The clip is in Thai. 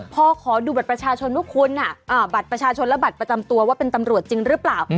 พอขอดูบัตรประชาชนว่าคุณบัตรประชาชนและบัตรประจำตัวว่าเป็นตำรวจจริงหรือเปล่า